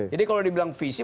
jadi kalau dibilang visi